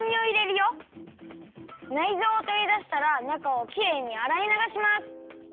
ないぞうをとりだしたらなかをきれいにあらいながします。